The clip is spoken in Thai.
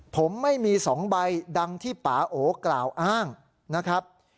ผมไม่มี๒ใบดังที่ป่าโอกล่าวอ้างนะครับ